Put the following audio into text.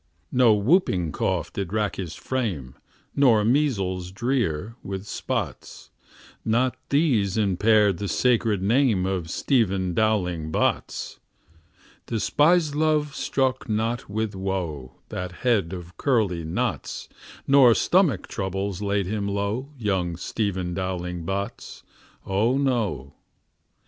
No whooping cough did rack his frame, Nor measles drear, with spots; Not these impaired the sacred name Of Stephen Dowling Bots. Despised love struck not with woe That head of curly knots, Nor stomach troubles laid him low, Young Stephen Dowling Bots. O no.